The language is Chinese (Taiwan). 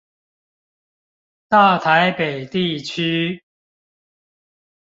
大台北地區